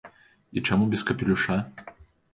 І чаму без капелюша?!